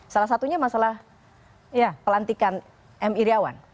salah satunya masalah pelantikan m iryawan